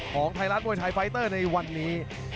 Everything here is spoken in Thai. ไทยรัฐมวยไทยไฟเตอร์ในวันนี้